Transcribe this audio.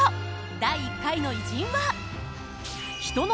第１回の偉人は。